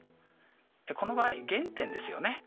この場合原点ですよね。